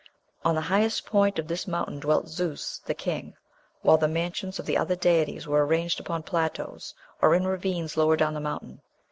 On the highest point of this mountain dwelt Zeus (the king), "while the mansions of the other deities were arranged upon plateaus, or in ravines lower down the mountain.